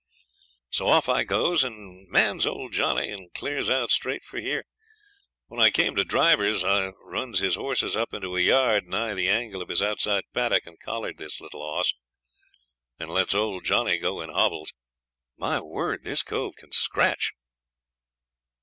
'So off I goes and mans old Johnny, and clears out straight for here. When I came to Driver's I runs his horses up into a yard nigh the angle of his outside paddock and collars this little 'oss, and lets old Johnny go in hobbles. My word, this cove can scratch!'